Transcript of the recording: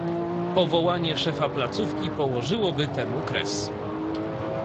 Powołanie szefa placówki położyłoby temu kres